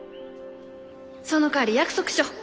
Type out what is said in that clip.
そのかわり約束しよう。